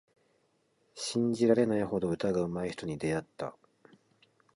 信じられないほど歌がうまい人に出会った。